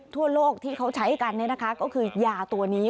ทั่วโลกที่เขาใช้กันก็คือยาตัวนี้